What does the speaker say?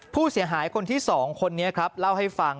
ผู้เสียหายคนที่๒คนนี้ครับเล่าให้ฟัง